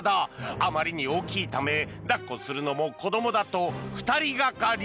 あまりに大きいため抱っこするのも子どもだと２人がかり。